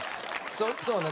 そうね